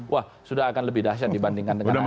wah sudah akan lebih dahsyat dibandingkan dengan hari ini